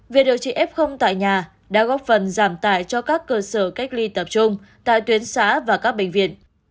việc điều trị f tại nhà đã góp phần giảm tải cho các cơ sở cách ly tập trung tại tuyến xã và các bệnh viện